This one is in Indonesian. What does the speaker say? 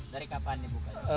dari kapan dibuka